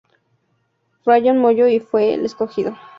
Ryan Molloy fue el escogido.